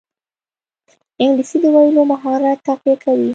انګلیسي د ویلو مهارت تقویه کوي